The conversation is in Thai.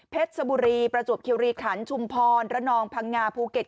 สบุรีประจวบคิวรีขันชุมพรระนองพังงาภูเก็ต